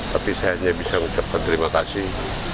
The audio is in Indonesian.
tapi saya hanya bisa mengucapkan terima kasih